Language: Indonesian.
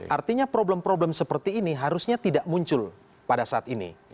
artinya problem problem seperti ini harusnya tidak muncul pada saat ini